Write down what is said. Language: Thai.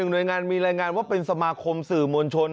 หน่วยงานมีรายงานว่าเป็นสมาคมสื่อมวลชน